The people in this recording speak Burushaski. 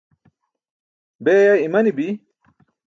Beeya imanibi.